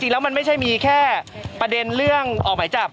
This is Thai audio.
แล้วมันไม่ใช่มีแค่ประเด็นเรื่องออกหมายจับ